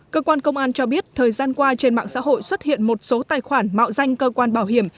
cơ quan công an cho biết thời gian qua trên mạng xã hội xuất hiện một số tài khoản mạo danh cơ quan bảo hiểm